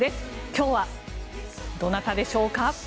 今日はどなたでしょうか。